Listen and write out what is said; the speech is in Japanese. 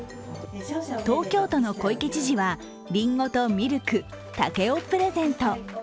東京都の小池知事は、りんごとミルク、竹をプレゼント。